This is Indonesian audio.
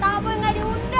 takutnya gak diundang